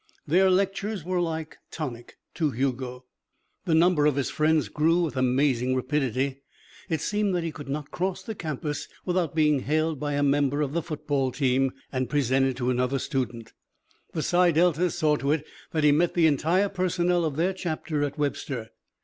Their lectures were like tonic to Hugo. The number of his friends grew with amazing rapidity. It seemed that he could not cross the campus without being hailed by a member of the football team and presented to another student. The Psi Deltas saw to it that he met the entire personnel of their chapter at Webster.